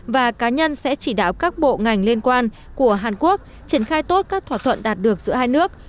và cá nhân sẽ chỉ đạo các bộ ngành liên quan của hàn quốc triển khai tốt các thỏa thuận đạt được giữa hai nước